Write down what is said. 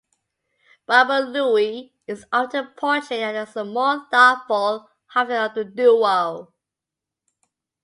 Baba Looey is often portrayed as the more thoughtful half of the duo.